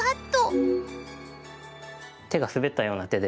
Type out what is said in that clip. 手が滑ったような手で。